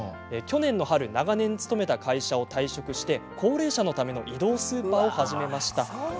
去年の春長年勤めた会社を退職して高齢者のための移動スーパーを始めました。